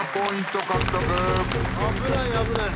危ない危ない。